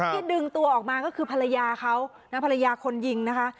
ดึงตัวออกมาก็คือภรรยาเขานะภรรยาคนยิงนะคะ